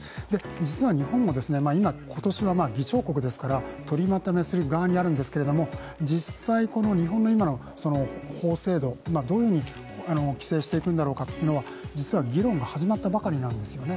実は日本も今年は議長国ですから取りまとめする側にあるんですけれども、実際、日本の今の法制度、どういうふうに規制していくんだろうかというのは実は議論が始まったばかりなんですよね。